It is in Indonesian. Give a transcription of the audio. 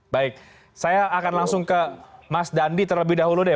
baik saya akan langsung ke mas dandi terlebih dahulu deh